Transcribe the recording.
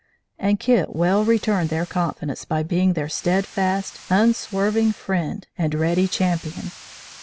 And Kit well returned their confidence, by being their steadfast, unswerving friend and ready champion.